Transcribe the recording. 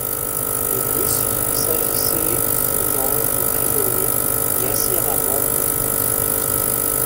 De plus, il s'agissait souvent de prisonniers et assez rarement de volontaires.